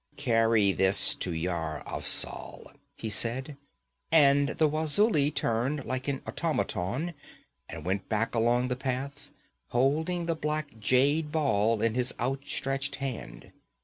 'Carry this to Yar Afzal,' he said, and the Wazuli turned like an automaton and went back along the path, holding the black jade ball in his outstretched hand.